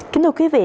kính thưa quý vị